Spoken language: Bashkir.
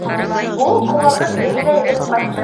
Ул, ҡыуанып, өйөнә йүгереп ҡайтты.